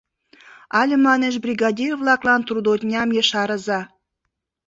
Але, манеш, бригадир-влаклан трудодням ешарыза.